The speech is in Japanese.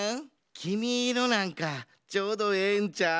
「きみイロ」なんかちょうどええんちゃう？